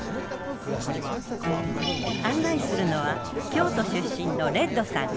案内するのは京都出身のレッドさん。